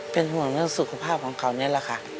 เป็นห่วงเรื่องสุขภาพของเขานี่แหละค่ะ